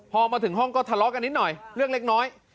พอมาถึงห้องก็ทะเลาะกันนิดหน่อยเรื่องเล็กน้อย